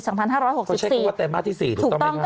เขาใช้คำว่าไตรมาสที่๔ถูกต้องไหมครับ